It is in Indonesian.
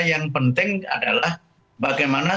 yang penting adalah bagaimana